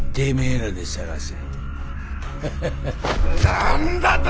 何だと！